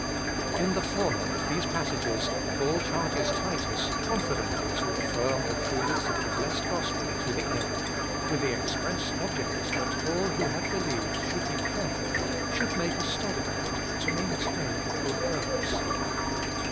IN the former of these passages Paul charges Titus confidently to affirm the truths of the blessed Gospel to the end. with the express object that all who had believed should be careful, should make a study of it, to maintain good zvorks.